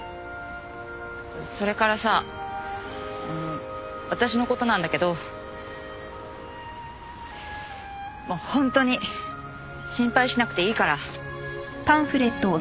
それからさ私のことなんだけどもうホントに心配しなくていいから。